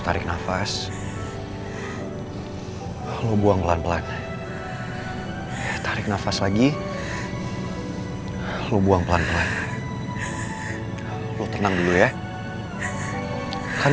jadi sebelum ibu bingung